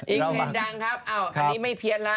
อีกเห็นดังครับอันนี้ไม่เพียนละ